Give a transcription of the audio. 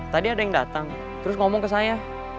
tadi ada yang datang terus ngomong ke saya